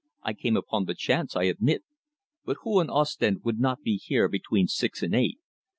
I came upon the chance, I admit, but who in Ostend would not be here between six and eight?